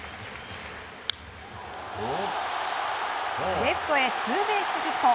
レフトへツーベースヒット。